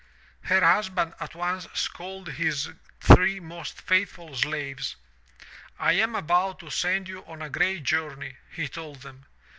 "Her husband at once called his three most faithful slaves. *I am about to send you on a journey,' he told them.